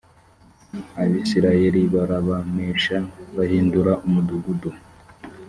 abisirayeli barabanesha bahindura umudugudu